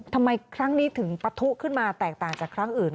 ทำไมครั้งนี้ถึงปะทุขึ้นมาแตกต่างจากครั้งอื่น